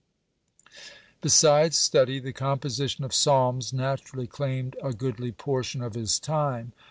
(83) Besides study, the composition of psalms naturally claimed a goodly portion of his time.